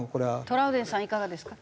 トラウデンさんいかがですか？